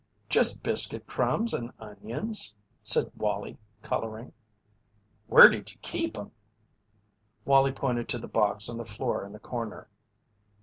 "Just biscuit crumbs and onions," said Wallie, colouring. "Where did you keep 'em?" Wallie pointed to the box on the floor in the corner.